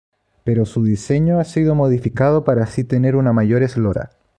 Pero su diseño ha sido modificado para así tener una mayor eslora.